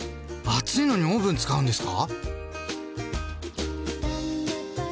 暑いのにオーブン使うんですか？